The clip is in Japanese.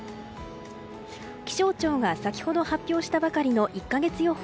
気象庁が先ほど発表したばかりの１か月予報。